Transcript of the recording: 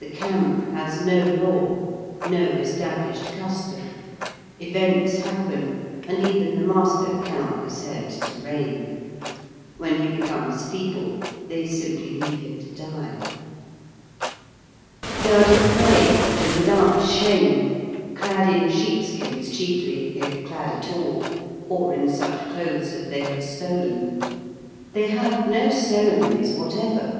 The "camp" has no law, no established custom; events happen, and even the master cannot be said to reign. When he becomes feeble, they simply leave him to die. They are depraved, and without shame, clad in sheep skins chiefly, if clad at all, or in such clothes as they have stolen. They have no ceremonies whatever.